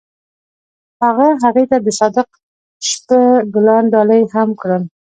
هغه هغې ته د صادق شپه ګلان ډالۍ هم کړل.